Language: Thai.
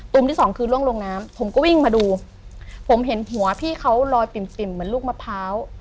ที่สองคือล่วงลงน้ำผมก็วิ่งมาดูผมเห็นหัวพี่เขาลอยปิ่มปิ่มเหมือนลูกมะพร้าว